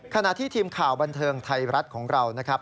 ขณะที่ทีมข่าวบันเทิงไทยรัฐของเรานะครับ